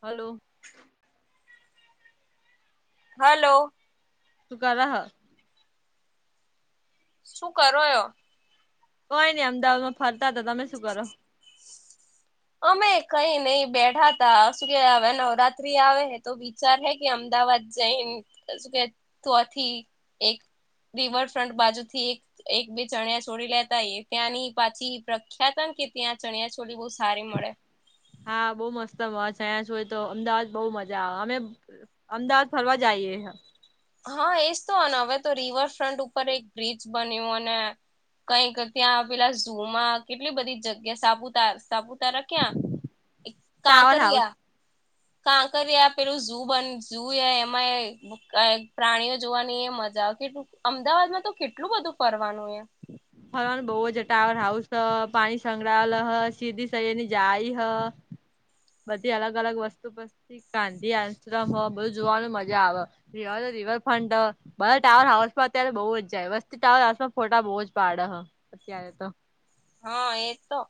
Hello hello તું કર હ શું કરોયો કોઈ નઈ અમદાવાદમાં ફરતા હતા તમે શું કરો અમે કઈ નહી બેઠા તા શું કે હવે નવરાત્રી આવે તો વિચાર હે કે અમદાવાદ જઈને શું કે તોથી એક રિવરફ્રન્ટ બાજુ થી એક એક બે ચણિયા છોડી લેતા એ ત્યાંની પાછી પ્રખ્યાત કે ત્યાં ચણિયા છોળ બહ સારી મળે હા બઉુ મસ્તમાં છે અહીંયા જોય તો અમદાવાદ બઉ મજા આવે અમે અમદાવાદ ફરવા જઈએ હા એજ તોને હવે તો રિવરફ્રન્ટ ઉપર એક બ્રિજ બન્યું અને કઈક ત્યાં પેલા ઝુમાં કેટલી બધી જગ્યા સાપુતાર સાપુતાર ક્યા એક ટાવર હાઉસ કાકિયા કાંકર આ પેલું બન એમાં પ્રાણીઓ જોવાની એ મજા આવે કે અમદાવાદમાં તો કેટલું બધું ફરવાનું એ હ હરવાનું બહુ જટાવ હાઉસ હ પાણી સંકળાયેલા હ સીધી સયરની જાય હ બધી અલગ અલગ વસ્તુ પછી ગાંધી આન્સ્ટ હો બધુ જોવાનું મજા આવે રવા રિવરફ્રન્ટ બરા ટાવર હાઉસમાં અત્યારે બઉુ જ જાય વસ્તી ટાવર હાઉમાં ખોટા બહુ જ પાડ હ અત્યારે તો હા એજ તો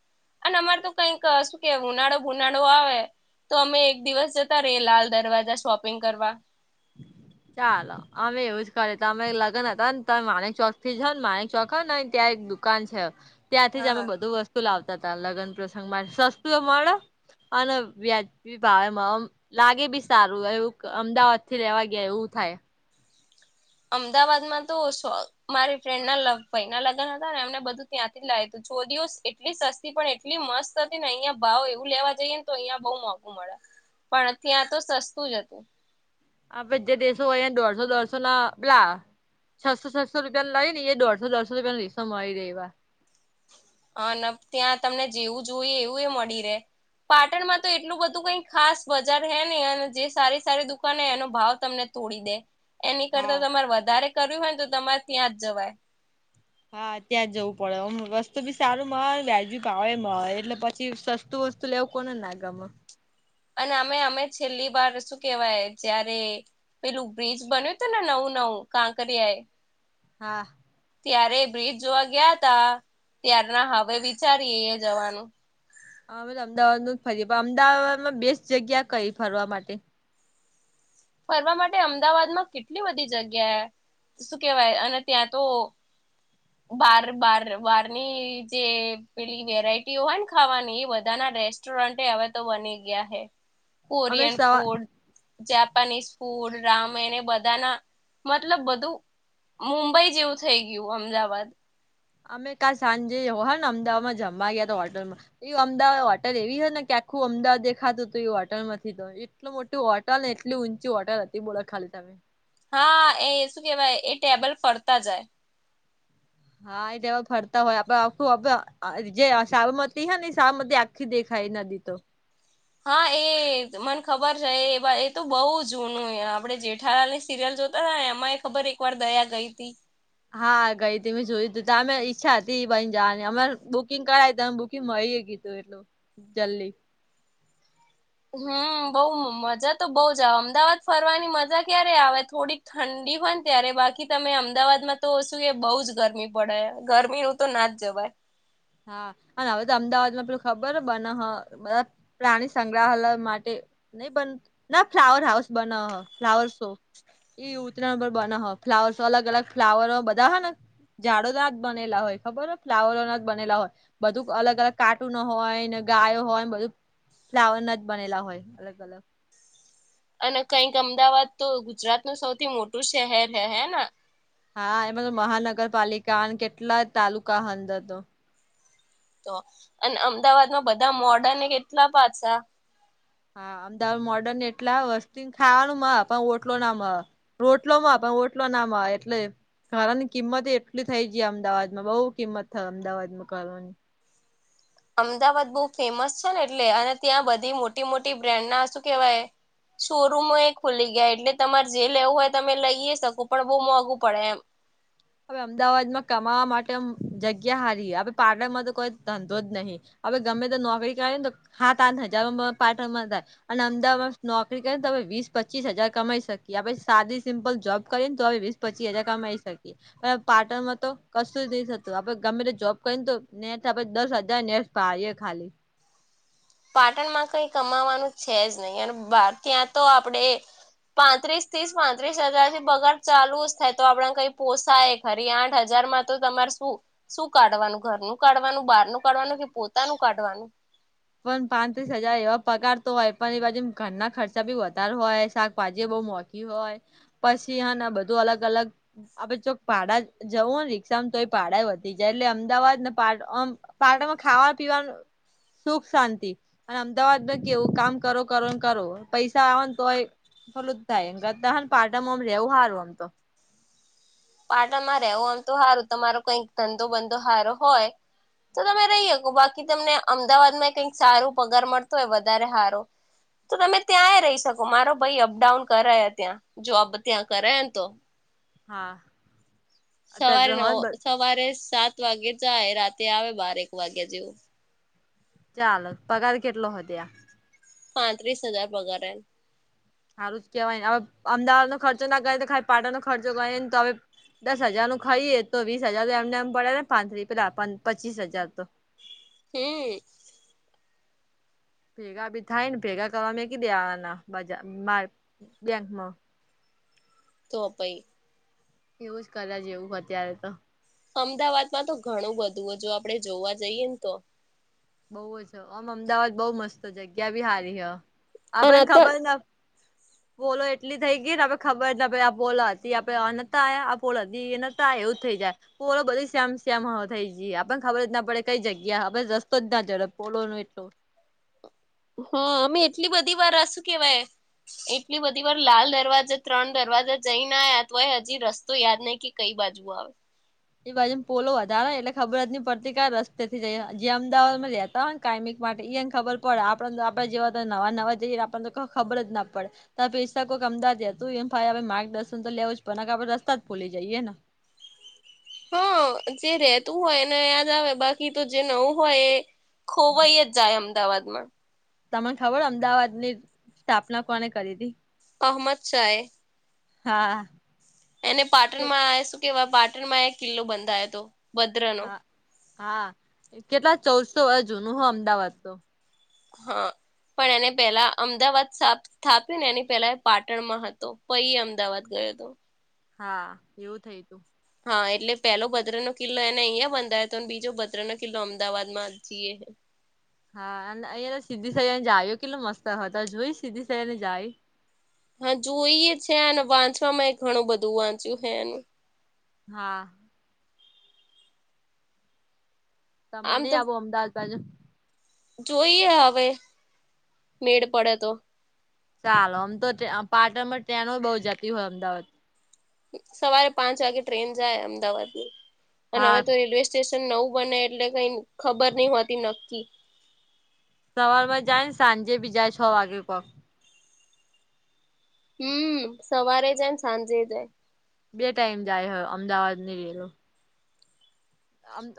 અને અમારે તો કઈક શું કે ઉનાળો ભુનાળો આવે તો અમે એક દિવસ જતા રએ લાલ દરવાજા શોપિંગ કરવા હ ચાલો અમે એવું જ કરી અમે લગ્ન હતા ને તમે માનેક ચોક થી જ ને માનેક ચોક ત્યાં એક દુ દુકાન છે, ત્યાંથી જ અમે હા બધું વસ્તુ લાવતા હતા લગ્ન પ્રસંગમાં સસ્તું મળે અને વ્યાજી ભાવમાં લાગે બી સારું એવું અમદાવાદ થી લ રહેવા ગયા એવું થાય અમદાવાદમાં તો મારી ફ્રેન્ડ ના ભય ના લગ્ન હતા ને એમને બધું ત્યાંથી જ લાવુ જો દઓ એટલી સસ્તી પણ એટલી મસ્ત હતી ને અહિયાયા ભાવ એવું લેવા જઈએ, ને તો અહિયાયા બહુ મોંઘું મળે પણ ત્યાં તો સસ્તું જ હતુ. આપે જે દેશો હોય, અયા દોઢસો દોઢસો ના પલા છસો છસો રૂિયા લઈ ને એ દોઢો દઢસો રૂપિયાની રીસો મળી દ એવા હ ત્યાં તમને જેવું જોઈએ એવું એ મળી રહેે પાટણમાં તો એટલું બધું કઈ ખાસ બજાર હે નને અને જે સારી સારી દુકાાન હ એનો ભાવ તમને તોડી દે એની હા કરતા તમારે વધારે કર્યું હોય ને તો તમારે ત્યાં જ જવાય હા ત્યાં જવું પડેમ રસ્તુ બી સારું મળે વ્યાજ બી ભાવે મળ એટલે પછી સ સ્ત વતુેવ કોને ના ગામા અને અમે અમે છેલ્લી વાર શું કેવાય જયારે પેલું બ્રિજ બન્યું હતું ને, નવું નવું કાંકરિયા એ હા. ત્યારે બ્રિજ જોવા ગયા હતા, ત્યાર ના હવે વિચારીએ જવાનું. હા, અમદાવાદ ના જ ફરી અમદાવાદ માં બેસ્ટ જગ્યા કંઈ ફરવા માટે? ફરવા માટે અમદાવાદ માં કેટલી બધી જગ્યા શું કેવાય અને ત્યાં તો હ. બાર બાર બહારની જે પેલી વેરાયટી હોય ને ખાવાની, એ બધા ના રેસ્ટ સ્ટોરન્ટ હવે તો બની ગયા હૈ. [unintelligible] કોરિયન સવાર ફૂડ ફૂડ, રામાયણ એ બધાના મતલબ બધું મુંબઈ જેવું થઇ ગયું અમદાવાદ અમે કા સાંજે હ ને અમદાવાદમાં જમવા ગયા હોટલમા. એ અમદાવાદ હોટલ એવી હ ને કે આખું અમદાવાદ દેખાતું હતું એ હોટલમાંથી એટલ મોટી હોટલ ને એટલી ઊંચી હોટલ હતી, બોલો ખાલી તમે હા, એ શું કેવાય? એ ટેબલ ફરતા જાય. હા, એ દવા ફરતા હોય, આપડે આખું જે સાબરમતી હ ને, સાબરમતી સુખી દેખાય નદી તો હા, એ મને ખબર છે. એ તો બહુ જૂનું. આપડે જેઠાલાલ ની સિરિયલ જોતા. એમાં એ ખબર એક વાર દયા ગઈ હતી. હા, ગઈ તી. મેં જોયું તું તો અમે ઈચ્છા હતી, પણ જવાની અમા બુકિંગ કરાયી તો મારી એ કીધું એટલું જલ્દી હમ, બઉ મજા તો બઉ જ આવે. અમદાવાદ ફરવાની મજા ક્યારે આવે થોડીક ઠંડી પણ ત્યારે બાકી, તમે અમદાવાદમાં તો શું, એ બહુ જ ગરમી પડે, ગરમી. તો ના જવાય. હા, અને હવે તો અમદાવાદ માં પેલું ખબર બને, બધા પ્રાણી સંગ્રહાલય માટે નહીં, બનાના ફ્લાવર હાઉસ બનાવ, ફ્લાવર શો એ ઉત્તરાયણ પર બના હો, ફ્લાવરસ. અલગ અલગ ફ્લાવર બધા હો ને ઝાડો ના જ બનેલા હોય, ખબર હો? ફ્લાવરોના. બનેલા હોય બધું અલગ અલગ કાર્ટૂન હોય ને, ગાયો હોયને, બધું ફ્લાવર ના જ બનેલા હોય. અને કઈક અમદાવાદ તો ગુજરાત ન સૌથી મોટું શહેર હે ના. હા, એમાં તો મહાનગરપાલિકા અને કેટલા તાલુકા અંદર તો તો અને અમદાવાદમાં બધા મોર્ડન કેટલા પાછા હા, અમદાવાદ મોડર્ન એટલા વસ્તુ ખાવાનું માં પણ ઓટલો નામાં, રોટલો માં પણ ઓટલો ના એટલે ઘની કિંમત એટલી થઈ જઈ અમદાવાદમાં, બહુ કિંમત થઈ અમદાવાદ માં ની અમદાવાદ બહુ ફેમસ છે ને એટલે, અને ત્યાં બધી મોટી મોટી બ્રાન્ડ ના શું કેવાય શોરૂૂમ એ ખુલી ગયા એટલે તમારે જે લેવું હોય, તમે લઈએ શકો, પણ બહુ મોંઘું પડે એમ. હવે અમદાવાદમાં કમાવા માટે જગ્યા હારી હ, પાટણમાં તો કોઈ ધંધો જ નહીં. હવે ગમે તો નોકરી કરે ને, તો હાથ આ હજારમાં પાર્ટનમાં થાય. અને અમદાવાદમાં નોકરી કરીને તો હ વીસ-પચીસ હજાર કમાઈ શકીએ. આપ સાદી સિમ્પલ જોબ કરીએ ને તો. પચીસ હજાર કમાઈ શકીએ. પણ પાટણમાં તો કશું જ નહી થતું. આપડે ગમે તે જોબ કરીને તો ને આપે દસ હજાર ને. પાડીએ ખાલી. પાટણમાં કઈ કમાવાનું છે જ નહીં, અને બહાર ત્યાં તો આપણેે પાંત્રીસ થીસ પાંત્રીસ હજાર થી બગાર ચાલુ જ થાય તો આપડ કઈ પોસાય ફરી આઠ હજારમાં તો તમાર શું શું કાઢવાનું ઘરનું કાઢવાનું બહારનું કાઢવાનું કે પોતાનું કાઢવાનું પણ પાંત્રીસ હજાર એવા પગારતો હોય પણ એ બાજુ ઘરના ખર્ચા બી વધારે હોય શાકભાજી બહુ મો હોય પછી આને બધું અલગ અલગ આપે ચોક પાડા જવું ને રિક્ષામ તો એ પાાડા વધી જાય એટલે અમદાવાદ નેમ પારટમાં ખાવા પીવાનું સુખ શાંતિ અને અમદાવાદમાં કેવું કામ કરો કરો ને કરો પૈસા આવવાને તો હોય ખોલું જ થાય એ કરતા પાટામાંમ રવું સારું આમ તો પાટણમાં રહેવું આમ તો સારું તમારો કઈક ધંધો બંધો સારો હોય તો તમે રહી શકો બાકી તમને અમદાવાદમાં કંઈક સારું પગાર મળતો હોય વધારે સારો તો તમે ત્યાંય રહી શકો મારો ભાઈ અપડાઉન કરાયા ત્યાં જોબ ત્યાં કરયા ને તો હા અત્યારે સવારે તો નવ હોય સવારે સાત વાગે જાય રાતે આવે બાર એક વાગ્યા જેવું ચાલ પગાર કેટલો હતો ત્યા પાંત્રીસ હજાર પગાર એ સારું જ કેહેવાય હવે અમદાવાદ નો ખર્ચો ના ગ ખ પાટણનોો ખર્ચો ગને તો હવે દસ હજારું ખાઈએ તો વીસ હજાર તો એમને એમ પડે ને પાં થ્રી પેલા પચીસ હજાર તો એ ભેગા બી થાય ને ભેગા કરવા મેકી દેવાના બજ મા બેંકમાં તોપઈ એવું જ કર્યા જેવું અત્યારે તો અમદાવાદમાં તો ઘણું બધું હો જો આપડણે જોવા જઈએ ને તો બઉ છે આમ અમદાવાદ બઉ મસ્ત જગ્યા બી હારી હ અને આપણને અત્યાર ખબર ના બોલો એટલી થઈ ગઈ ને આપણે ખબર આ બોલા હતી આપે ન આ્યા આ બોલ હતી એ એવું જ થઈ જાય પોલો બધી શ્યામ શ્યામ થઈ જઈ આપણને ખબર જ ના પડે કઈ જગ્યા હ બધા જ ના જરા પોલો એટું. હા અમે એટલી બધી વાર આહશું કેવાય એટલી બધી વાર લાલ દરવાજા ત્રણ દરવાજા જઈ ના આવ્યા તો હોય હજી રસ્તો યાદ નહી કઈ બાજુ આવે એ બાજુને પોલો વધારે એટલે ખબર જ નહી પડતી કઈ રસ્તે થી જાય જે અમદાવાદ માં રતા હોય ને કાયમિક માટે એને ખબર પડે આપણને તો આપણે જેવા તો નવા નવા જઈએ આપણને તો ખબર જ ના પડે ત પૈસા કોઈ અમદાજેતું એમાઈ આપ માર્ગદર્શન તો લેવું જ પણ આપણે રસ્તા જ ખોલી જઈએ ને હા જે રેતું હોયને યાદ આવે બાકી તો જે નવું હોય એ ખોવાઈ જ જાય અમદાવાદ માં તમને ખબર અમદાવાદ ની સ્થાપના કોને કરી હતી. અહમદ શાહે. હા. એને પાટણમાં આવે શું કેવાય પાટણમાં એક કિલ્લો બંધાયો હતો ભદ્ર નો હા હા કેટલા ચૌદસો વર જુનું હો અમદાવાદ તો. હા પણ એને પેલા અમદાવાદ સાબ સ્થાપ્યું ને એની પહેલા પાટણમાં હતો પૈ અમદાવાદ ગયો હતો. હા એવું થય તું. હા એટલે પેલો ભદ્ર નો કિલ્લો એને અહિયાં બંધાયો હતો અને બીજો ભદ્ર નો કિલ્લો અમદાવાદ માં જીએ હ. હા અને અહંને સીધી સૈયાદ જા આવ્યો કેટલો મસ્ત હતો તો જોઈ સીધી સૈયા ને જાળી. હા જોઈએ છેને વાંચમાં એ ઘણું બધું વાંચ્યું હે એનું હા. ત મને આમ નહી તો આવો અમદાવાદ બાજુ. જોઈએ હવે મેડ પડે તો. ચાલો આમ તો પાટણમાં ટ્રેનો બઉુ જાતી હોય અમદાવાદ સવારે પાંચ વાગે ટ્રેન જાય અમદાવાદની અને હા હવે તો રેલવે સેશન નવું બને એટલે કઈ ખબર નહીં હોતી નક્કી. સવારમાં જાયને સાંજે બી જાય છ વાગે કોક હમ સવારે જાય સાંજે જાય. બે ટાઈમ જાય હો અમદાવાદ ની રેલો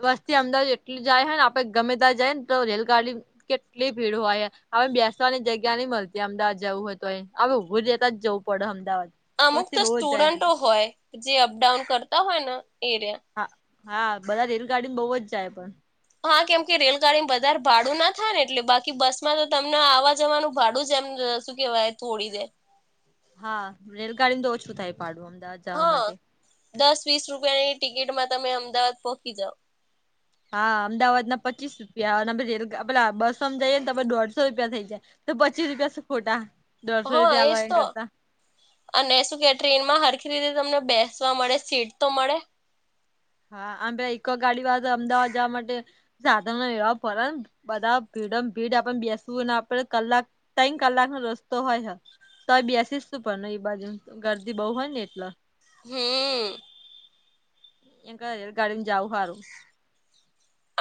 વસ્તી અમદાવાદ એટલી જાય હ ને આપડે ગમે ત જાય ને તો રેલગાડી કેટલી ભીડ હોય હવે બેસવાની જગ્યા નઈ મળતી અમદાવાદ જવું હતું હવે ઊભું જતા જ જવ પડ અમદાવાદ અમુક વસ્તી તો બહુ જ જાય સ્ટુડન્ટો અમદા હોય જે અપડાઉન કરતા હોય, ને એરિયા હા-હા બધા રેલગાડી બહુ જ જાય પણ, હા કેમ કે રેલગાડી બધારે ભાડું ના થાય ને એટલે બાકી બસ માં તો તમને આવવા જવાનું ભાડું જ એમ શું કેવાય થોડી દે હા રેલગાડીમાં તો ઓછું થાય પાડું અમદાવાદ જવા હા માટે દસ વીસ રૂપિયાની ટિકિટમાં તમે અમદાવાદ પૌકી જાઓ. હા અમદાવાદ ના પચીસ રૂપિયા અને પી રેલ પે બસ અમ જઈએ ને તો દોઢ સો રૂપિયા થઈ જાય તો પચીસ રૂપિયા શુ ખોટા દોઢસો હા રૂપિયા એજ હલવામ એન તો કરતા. અને શું કે ટ્રેન માં હરખી રીતે તમને બેસવા મળે સીટ તો મળે. હા આમ ભ ઈકો ગાડી વા અમદાવાદ જવા માટે સાધનો ન એવવાહ ફર બધા ભીડ મ ભીડ આપને બેસવું અને આપડે કલાક તઇણ કલાકનો રસ્તો હોય હ. તોય બેસીશ શું પણ ને એ બાજુ ગરદી બઉુ હોય ને એટલે હે. એ કત રેલ ગાડી જાવું હારું.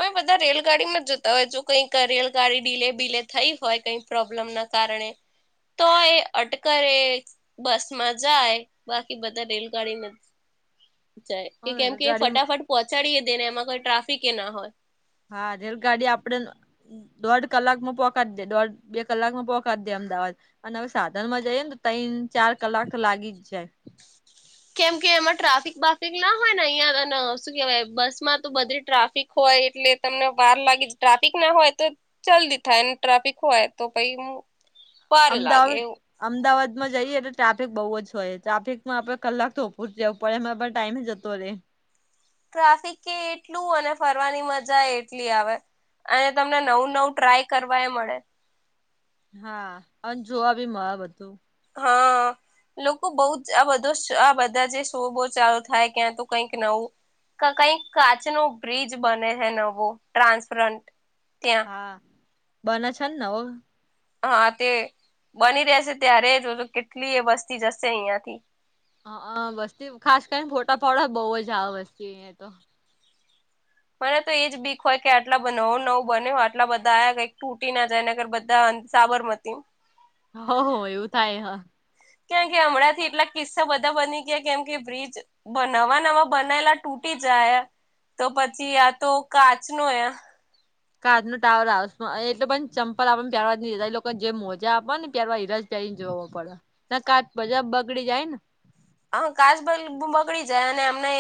અમે બધા રેલગાડી માં જતા હોય છું કઈક રેલગાડી ડીલે બીલે થઈ હોય કઈક. પ્રોબ્લેમ ના કારણે. તોય અટકરે બસ માં જાય બાકી બધા રેલગાડી નથી. [inaudible] જ કે કેમ કે રેલગાડી ફટાફટ પહોંચાડીએે દે ને એમાં કોઈ ટ્રાફિક એ ના હોય. હા જ ગાડી આપડે દોઢ કલાક માં પોખાત દે દોઢ બે કલાક માં પોહખાત દે અમદાવાદ. અને હવે સાધન માં જઈએ ને તો ત્રન ચાર કલાક તો લાગી જ જાય. કેમ કે એમાં ટ્રાફિક બાફિક ના હોય ને અહિયાં શું કેવાય બસ માં તો બધી ટ્રાફિક હોય એટલે તમને વાર લાગી ટ્રાફિક ના હોય તો. ચલ્દી થાયને ટ્રાફિક હોય તો પાઈ અમદાવાદ અમદાવાદ માં જઈએ એટલે ટ્રાફિક બઉુ જ હોય ટ્રાફિકમાં આપે કલાક તો ઉપર પે હરા પણ ટાઈમ જતોે રેય ટ્રાફિક કે એટલું અને, ફરવાની મજા એટલી આવે અને તમને નવું નવું ટ્રાય કરવા એ મળે હા અને જોવા બી મળે બધું. હા લોકો બહુ જ આ બધો આ બધા જે શો બહ ચાલુ થાય ક્યાં તો કઈક નવું કઈ કાચ નો બ્રિજ બને છે, નવો ટ્રાન્સફરન્ટ ત્યાં હા બને છે, ને ઓ હા તે બની રહેશે ત્યારે જો તો કેટલી એ વસ્તી જશે અહિયાયાથી હ વસ્તી ખાસ કરીને ફોટા ફાડ બહુ જ આવે વસ્તી અયા તો મને તો એજ બીક હોય કે આટલા નવું નવું બન આટલા બધા આ્યા કઈક તૂટી ના જાય નકર બધા સાબરમતી હ હો એવું થાય હા કેમ કે હમણાં થી એટલા કિસ્સા બધા બની ગયા કેમ કે, બ્રિજ નવા નવા બનાયલા તૂટી જાય તો પછી આ તો કાચ ન એ કાચ નો ટાવર હાઉ એટલે પણ ચંપલ આપ પ્યારવા લોકોને જેમ મોજા આપો ને પ્યારવા હીરાજ ઈ જોવો પડે ના કાચ પ બગડી જાય ને હા કાાસબ બગડી જાય અને અમને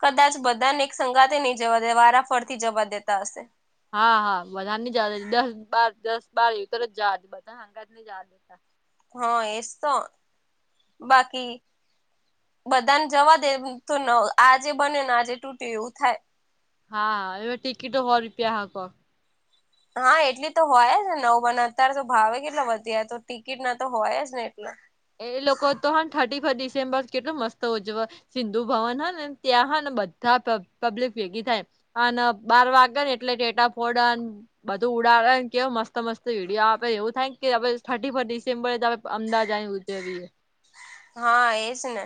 કદાચ બધાને એક સંગાતે નહી જવા દે વારાફરથી જવા દેતા હશે હા હા બધા જ દસ બ દસ બારર જ જા બધાંગા જ દતા હા એ તો બાકી બધાને જવા દે એમ તો ન આજે બને ને આજે તૂટે્યું એવું થાય હા હા એ ટિકિટ હરી પી હ ક હા એટલી તો હોય જ ને નવ બને અત્યારે તો ભાવે કેટલા વધી જ તો ટિકિટ ના તો હોય જ ને એટલા એ લોકો તો હ થર્ટી ફ ડિસેમ્બર કેટલું મસ્ત ઉજવે સિંધુ ભવન હા ને ત્યાં હ ને બધા પબ્લિક ભેગી થાય અને બાર વાગે ને એટલે ટેેટા ફોડ બધું ઉડાડાે ને કેવય મસ્ત મસ્ત વિીડીયો આપે એવું થાય ને કે હવે થર્ટી ફસ્ટ ડિસેમ્બરે અમદાવાદ આવી જવીએ હા એજ ને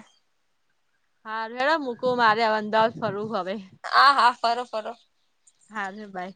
હા ભેડા મૂકું મારે અંદાજ ફરવ હવે હા હા ફરો ફરો હા ર ભાય